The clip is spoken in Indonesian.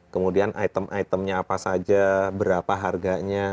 kemudian item itemnya apa saja berapa harganya